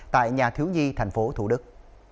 tại nhà thiếu nhi thành phố thủ đức